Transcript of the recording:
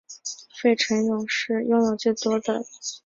费城勇士是拥有最多次地缘选秀选秀权的球队。